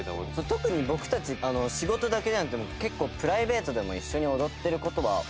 特に僕たち仕事だけじゃなくて結構プライベートでも一緒に踊ってる事は多いので。